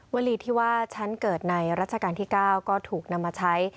วลีที่ว่าฉันเกิดในรัชกาลที่๙ก็ถูกนำมาใช้